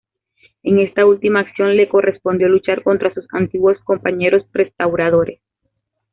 En esta última acción, le correspondió luchar contra sus antiguos compañeros restauradores.